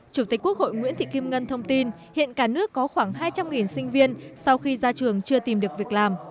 chủ tịch quốc hội nguyễn thị kim ngân thông tin hiện cả nước có khoảng hai trăm linh sinh viên sau khi ra trường chưa tìm được việc làm